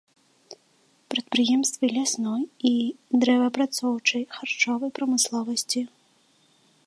Прадпрыемствы лясной і дрэваапрацоўчай, харчовай прамысловасці.